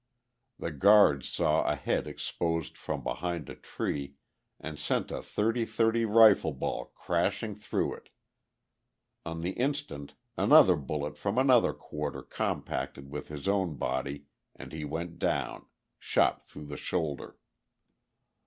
The guard saw a head exposed from behind a tree and sent a 30 30 rifle ball crashing through it; on the instant another bullet from another quarter compacted with his own body and he went down, shot through the shoulder....